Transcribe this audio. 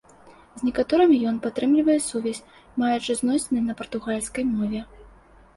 З некаторымі ён падтрымлівае сувязь, маючы зносіны на партугальскай мове.